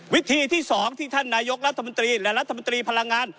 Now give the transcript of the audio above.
วิธีที่๒ที่ท่านนายกรัฐมนตรีและรัฐมนตรีพลังงาน